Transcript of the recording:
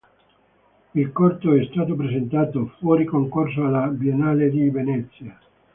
Il corto è stato presentato, fuori concorso, alla "Biennale di Venezia".